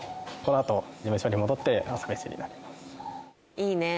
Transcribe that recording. いいね。